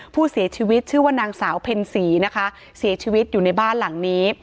ผู้เสียชีวิตชื่อว่านางสาวเพ็ญศรีนะคะเสียชีวิตอยู่ในบ้านหลังนี้